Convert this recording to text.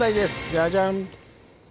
ジャジャン。